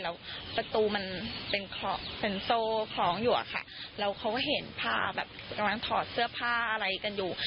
แล้วประตูมันเป็นโซ่คล้องอยู่อะค่ะแล้วเขาก็เห็นผ้าแบบกำลังถอดเสื้อผ้าอะไรกันอยู่